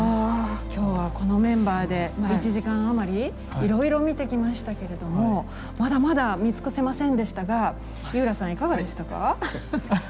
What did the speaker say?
今日はこのメンバーで１時間余りいろいろ見てきましたけれどもまだまだ見尽くせませんでしたが井浦さんいかがでしたか？